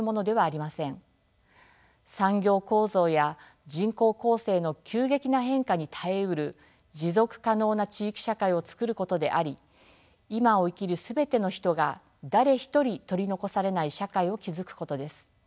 産業構造や人口構成の急激な変化に耐えうる持続可能な地域社会をつくることであり今を生きる全ての人が誰一人取り残されない社会を築くことです。